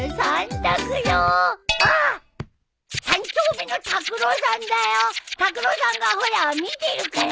タクロウさんがほら見てるから！